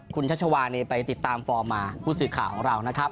คุณชัชวานี่ไปติดตามฟอร์มมาผู้สื่อข่าวของเรานะครับ